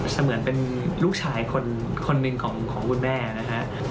เหมือนเป็นลูกชายคนหนึ่งของคุณแม่นะฮะ